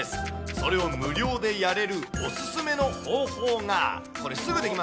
それを無料でやれるお勧めの方法が。